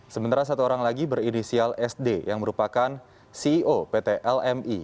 sementara satu orang lagi berinisial sd yang merupakan ceo pt lmi